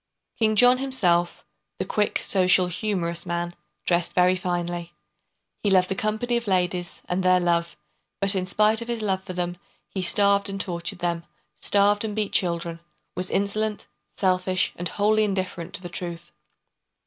King John himself, the quick, social, humorous man, dressed very finely. He loved the company of ladies and their love, but in spite of his love for them, he starved and tortured them, starved and beat children, was insolent, selfish, and wholly indifferent to the truth.